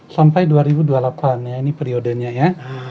sampai dua ribu dua puluh delapan ya ini periodenya ya